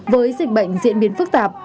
với dịch bệnh diễn biến phức tạp